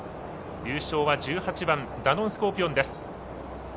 優勝は１８番、ダノンスコーピオンです。